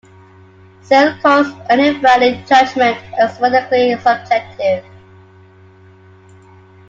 Searle calls any value judgment epistemically subjective.